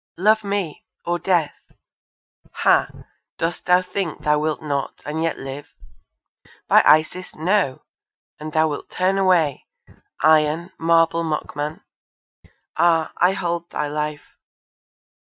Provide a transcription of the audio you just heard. Love me! or death! Ha! dost thou think thou wilt not, and yet live? By Isis, no. And thou wilt turn away, Iron, marble mockman! Ah! I hold thy life!